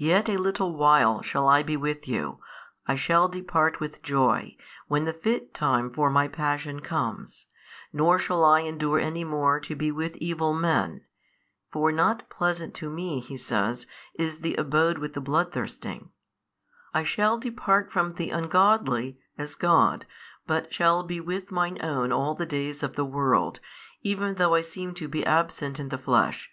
Yet a little while shall I be with you, I shall depart with joy, when the fit time for My Passion comes, nor shall I endure any more to be with evil men (for not pleasant to Me, He says, is the abode with the bloodthirsting) I shall depart from the ungodly, as God, but shall be with Mine Own all the days of the world, even though I seem to be absent in the Flesh.